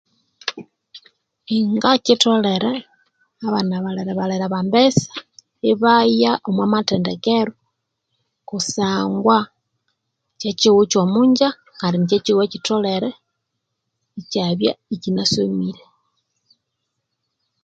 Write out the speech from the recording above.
Inga kyitholere abana abalerebalere aba mbesa ibaya omwa mathendekero kusangwa kyekyihugho ekyo omungya kandi kyekyihugho ekyitholere ikyabya ikyina somire